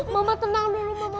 mama tenang dulu mama